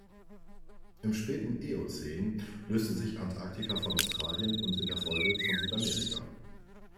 Im späten "Eozän" löste sich Antarktika von Australien und in der Folge von Südamerika.